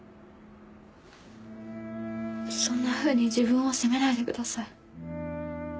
そんなふうに自分を責めないでください。